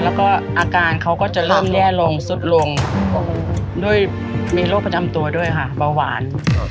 แล้วก็อาการเขาก็จะเริ่มแย่ลงสุดลงด้วยมีโรคประจำตัวด้วยค่ะเบาหวาน